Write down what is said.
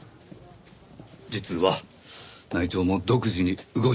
実は内調も独自に動いてたんですよ。